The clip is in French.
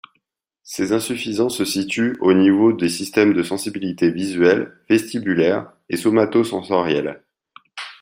Ses insuffisances se situent au niveau des systèmes de sensibilité visuelle, vestibulaire et somatosensorielle.